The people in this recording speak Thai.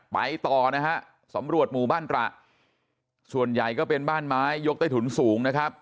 ไปต่อนะฮะสำรวจหมู่บ้านตระส่วนใหญ่ก็เป็นบ้านไม้ยกใต้ถุนสูงนะครับ